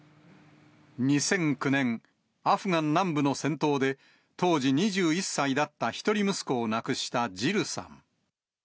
２００９年、アフガン南部の戦闘で、当時２１歳だった１人息子を亡くしたジルさん。